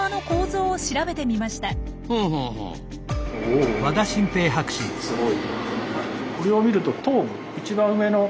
おすごい。